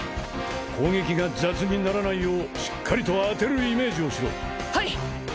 攻撃が雑にならないようしっかりと当てるイメージをしろはい！